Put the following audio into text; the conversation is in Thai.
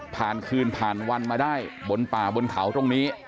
คืนผ่านวันมาได้บนป่าบนเขาตรงนี้